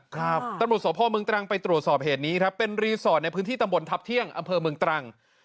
ตำรวจสพเมืองตรังไปตรวจสอบเหตุนี้ครับเป็นรีสอร์ทในพื้นที่ตำบลทัพเที่ยงอำเภอเมืองตรัง